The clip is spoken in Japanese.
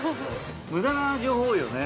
無駄な情報多いよね